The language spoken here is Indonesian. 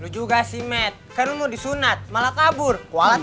juga sih mert karena mau disunat malah kabur